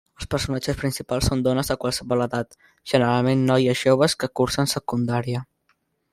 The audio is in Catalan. Els personatges principals són dones de qualsevol edat, generalment noies joves que cursen secundària.